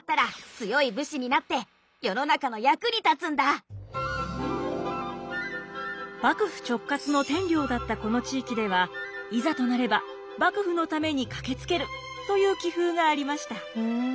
大きくなったら幕府直轄の天領だったこの地域ではいざとなれば幕府のために駆けつけるという気風がありました。